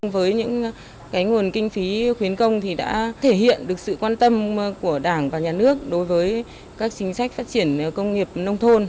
với những nguồn kinh phí khuyến công đã thể hiện được sự quan tâm của đảng và nhà nước đối với các chính sách phát triển công nghiệp nông thôn